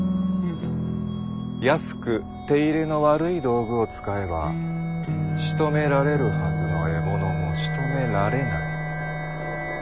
安く手入れの悪い道具を使えばしとめられるはずの獲物もしとめられない。